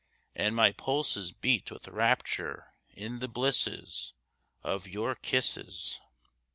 And my pulses beat with rapture in the blisses Of your kisses.